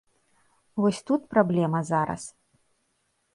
Вось тут праблема зараз.